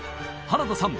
原田さん